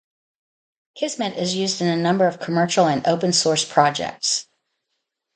Kismet is used in a number of commercial and open source projects.